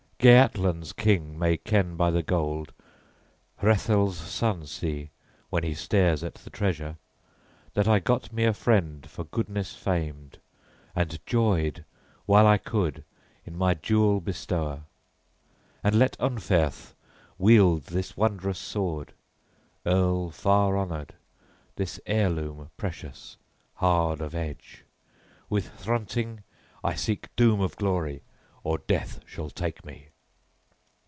Geatland's king may ken by the gold, Hrethel's son see, when he stares at the treasure, that I got me a friend for goodness famed, and joyed while I could in my jewel bestower. And let Unferth wield this wondrous sword, earl far honored, this heirloom precious, hard of edge: with Hrunting I seek doom of glory, or Death shall take me."